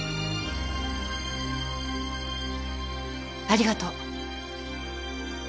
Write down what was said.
ありがとう。